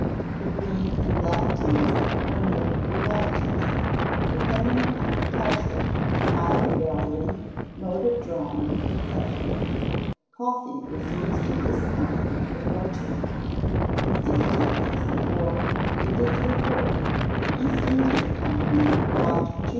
The green and black teas are mere varieties, depending upon the culture, time of gathering, mode of drying, &c. Coffee was used in this country before tea. In 1664, it is recorded, the East India Company bought 2lb.